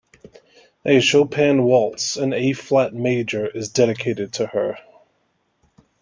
A Chopin Waltz in A-flat major is dedicated to her.